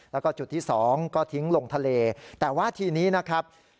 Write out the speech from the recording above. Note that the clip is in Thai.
แล้วก็จุดที่สองก็ทิ้งลงทะเลแต่ว่าทีนี้นะครับ